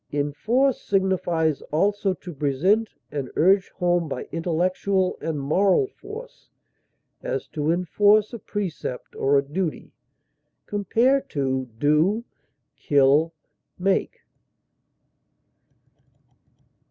Enforce signifies also to present and urge home by intellectual and moral force; as, to enforce a precept or a duty. Compare DO; KILL; MAKE.